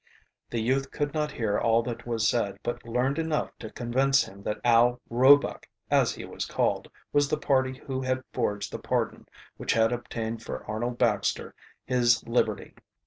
The youth could not hear all that was said, but learned enough to convince him that Al Roebuck, as he was called, was the party who had forged the pardon which had obtained for Arnold Baxter his liberty.